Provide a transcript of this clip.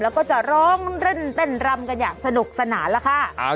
แล้วก็จะร้องเล่นเต้นรำกันอย่างสนุกสนานแล้วค่ะ